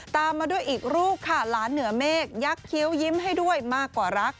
ตามมาด้วยอีกรูปค่ะหลานเหนือเมฆยักษ์คิ้วยิ้มให้ด้วยมากกว่ารัก